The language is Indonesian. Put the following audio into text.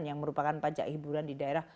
yang merupakan pajak hiburan di daerah